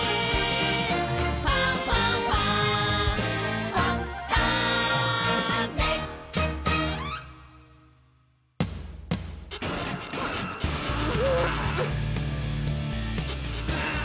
「ファンファンファン」ふん！